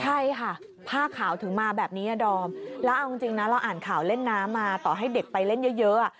ใช่ค่ะผ้าขาวถึงมาแบบนี้ดอมแล้วเอาจริงนะเราอ่านข่าวเล่นน้ำมาต่อให้เด็กไปเล่นเยอะอ่ะ